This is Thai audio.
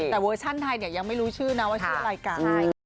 แต่เวอร์ชั่นไทยเนี่ยยังไม่รู้ชื่อนะว่าชื่อรายการ